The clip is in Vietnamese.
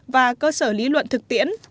và cơ sở lý luận thực tiễn